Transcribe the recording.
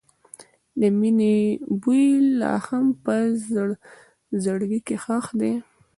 د مینې بوی لا هم په زړګي کې ښخ دی.